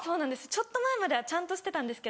ちょっと前まではちゃんとしてたんですけど。